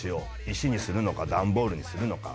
石にするのか段ボールにするのか。